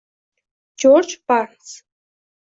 Jorj Barns